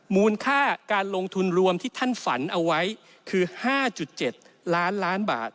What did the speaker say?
มูลค่าการลงทุนรวมที่ท่านฝันเอาไว้คือ๕๗ล้านล้านบาท